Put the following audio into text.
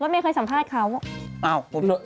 ไม่เคยสัมภาษณ์เขา